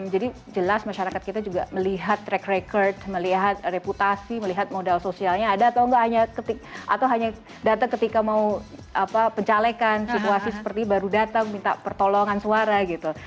jelas masyarakat kita juga melihat track record melihat reputasi melihat modal sosialnya ada atau nggak atau hanya datang ketika mau pencalekan situasi seperti baru datang minta pertolongan suara gitu